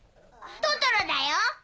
トトロだよ！